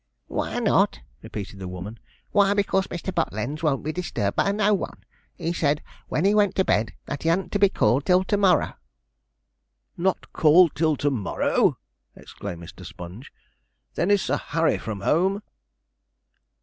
'Why not?' repeated the woman; 'why, 'cause Mr. Bottleends won't be disturbed by no one. He said when he went to bed that he hadn't to be called till to morrow.' 'Not called till to morrow!' exclaimed Mr. Sponge; 'then is Sir Harry from home?'